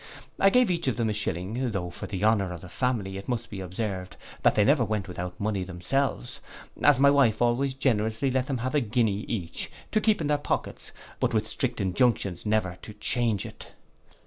I gave each of them a shilling; though, for the honour of the family, it must be observed, that they never went without money themselves, as my wife always generously let them have a guinea each, to keep in their pockets; but with strict injunctions never to change it.